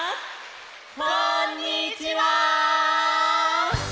こんにちは！